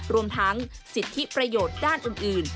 รวมทั้งสิทธิประโยชน์ด้านอื่น